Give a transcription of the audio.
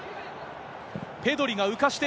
ペドリが浮かして。